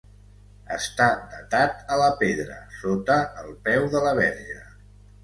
Està datat a la pedra, sota el peu de la verge.